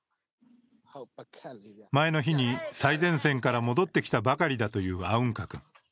前の日に最前線から戻ってきたばかりだというアウンカ君。